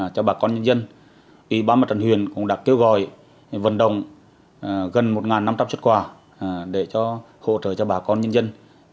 cho bà con nhân dân ủy ban mặt trận huyền cũng đã kêu gọi vận động gần một năm trăm linh xuất quà để hỗ trợ cho bà con nhân dân